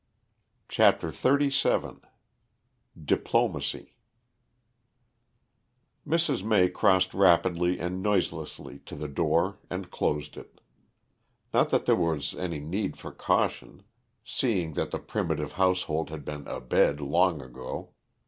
CHAPTER XXXVII DIPLOMACY Mrs. May crossed rapidly and noiselessly to the door and closed it. Not that there was any need for caution, seeing that the primitive household had been abed long ago.